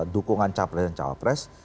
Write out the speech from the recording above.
dukungan capres dan calapres